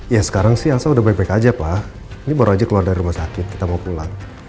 ya sekarang sih angsa udah baik baik aja pak ini baru aja keluar dari rumah sakit kita mau pulang